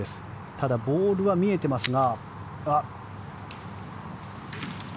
ただ、ボールは見えてますが。